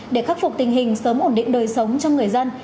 để khắc phục tình hình sớm ổn định đời sống cho người dân